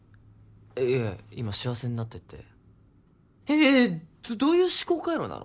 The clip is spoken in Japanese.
いやいや今「幸せになって」ってええっどういう思考回路なの？